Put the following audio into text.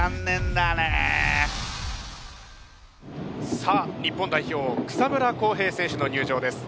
さあ日本代表草村航平選手の入場です。